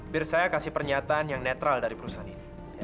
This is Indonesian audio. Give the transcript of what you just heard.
biar saya kasih pernyataan yang netral dari perusahaan ini